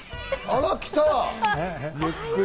あら、来た。